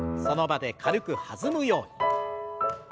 その場で軽く弾むように。